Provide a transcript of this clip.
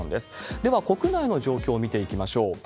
では国内の状況を見ていきましょう。